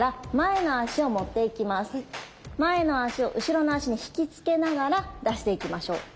前の足を後ろの足に引き付けながら出していきましょう。